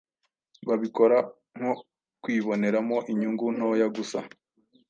babikora nko kwiboneramo inyungu ntoya gusa,